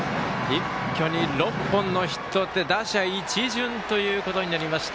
一挙に６本のヒットを打って打者一巡ということになりました。